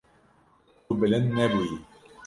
Tu bilind nebûyî.